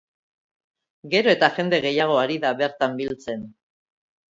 Gero eta jende hegiago ari da bertan biltzen.